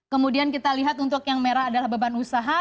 kemudian kita lihat untuk yang merah adalah beban usaha